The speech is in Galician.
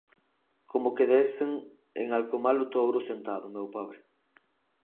Como que desen en alcumalo Touro Sentado, meu pobre.